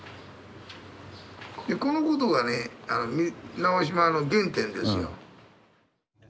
このことがね直島の原点ですよ。